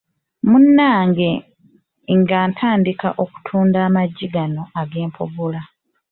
Munnange nga ntandika kutunda magi gano ag'empogola.